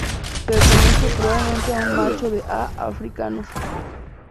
Pertenece, probablemente a un macho de "A. africanus".